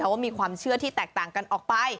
ว่ามีความเชื่อที่แตกต่างกันออกไป